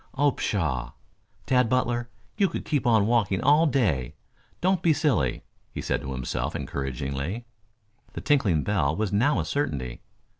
Oh, pshaw! Tad Butler, you could keep on walking all day. Don't be silly," he said to himself encouragingly. The tinkling bell was now a certainty.